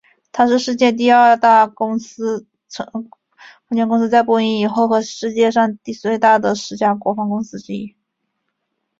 它是世界第二大空间公司在波音以后和世界上最大的十家国防公司之一。